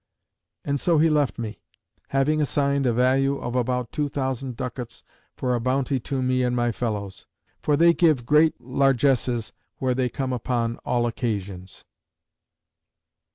And so he left me; having assigned a value of about two thousand ducats, for a bounty to me and my fellows. For they give great largesses where they come upon all occasions.